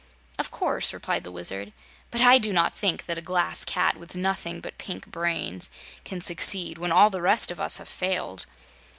"Of course," replied the Wizard. "But I do not think that a Glass Cat with nothing but pink brains can succeed when all the rest of us have failed."